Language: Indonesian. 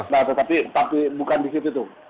nah tetapi bukan dikit itu